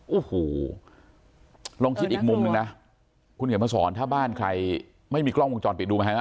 โอ้โหลองคิดอีกมุมหนึ่งนะคุณเขียนมาสอนถ้าบ้านใครไม่มีกล้องวงจรปิดดูไหมฮะ